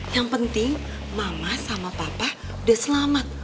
yang penting mama sama papa udah selamat